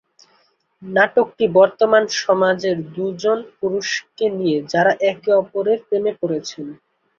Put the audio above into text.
নাটকটি বর্তমান সমাজের দুজন পুরুষকে নিয়ে যারা একে অপরের প্রেমে পড়েছেন।